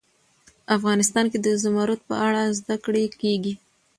افغانستان کې د زمرد په اړه زده کړه کېږي.